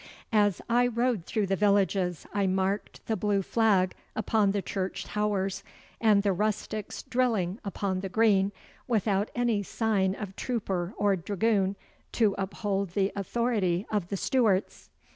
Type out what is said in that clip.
As I rode through the villages I marked the blue flag upon the church towers, and the rustics drilling upon the green, without any sign of trooper or dragoon to uphold the authority of the Stuarts.